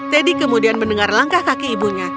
teddy kemudian mendengar langkah kaki ibunya